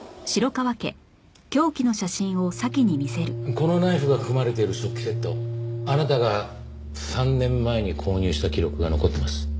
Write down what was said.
このナイフが含まれている食器セットをあなたが３年前に購入した記録が残ってます。